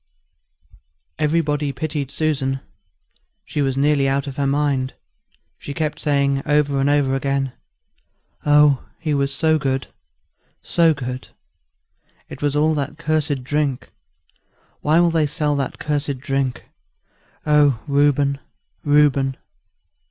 Everybody pitied Susan. She was nearly out of her mind; she kept saying over and over again, "Oh! he was so good so good! It was all that cursed drink; why will they sell that cursed drink? Oh Reuben, Reuben!"